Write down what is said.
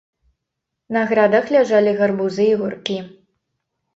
На градах ляжалі гарбузы і гуркі.